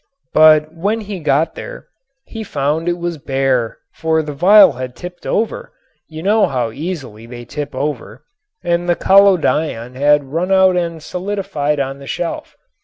But when he got there he found it was bare, for the vial had tipped over you know how easily they tip over and the collodion had run out and solidified on the shelf.